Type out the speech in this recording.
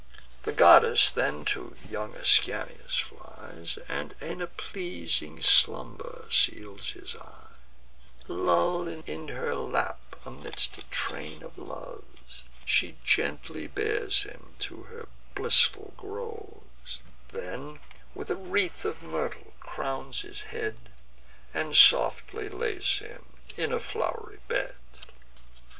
The goddess then to young Ascanius flies, And in a pleasing slumber seals his eyes: Lull'd in her lap, amidst a train of Loves, She gently bears him to her blissful groves, Then with a wreath of myrtle crowns his head, And softly lays him on a flow'ry bed.